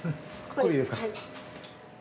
ここいいですか？